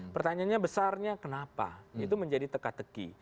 pertanyaannya besarnya kenapa itu menjadi teka teki